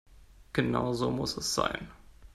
Genau so muss es sein.